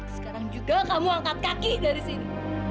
sekarang juga kamu angkat kaki dari sini